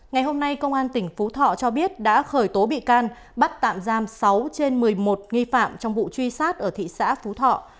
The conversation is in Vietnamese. ngày hôm nay công an tỉnh phú thọ cho biết đã khởi tố bị can bắt tạm giam sáu trên một mươi một nghi phạm trong vụ truy sát ở thị xã phú thọ